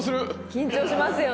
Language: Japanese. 緊張しますよね。